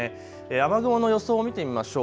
雨雲の予想を見てみましょう。